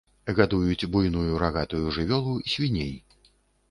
Гадуюць буйную рагатую жывёлу, свіней.